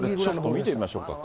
これ見てみましょうか。